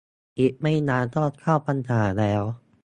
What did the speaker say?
อีกไม่นานก็เข้าพรรษาแล้ว